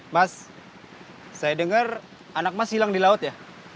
mas saya dengar anak mas hilang di laut ya